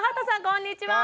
こんにちは。